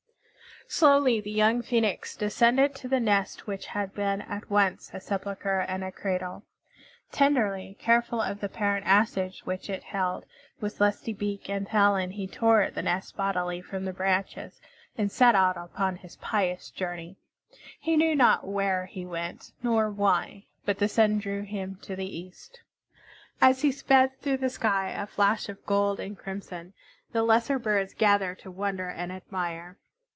Slowly the young Phoenix descended to the nest which had been at once a sepulchre and a cradle. Tenderly careful of the parent ashes which it held, with lusty beak and talon he tore the nest bodily from the branches, and set out upon his pious journey. He knew not where he went, nor why, but the Sun drew him to the East. As he sped, through the sky, a flash of gold and crimson, the lesser birds gathered to wonder and admire.